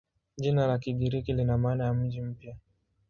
Jina la Kigiriki lina maana ya "mji mpya".